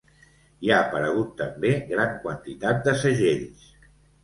Hi ha aparegut també gran quantitat de segells.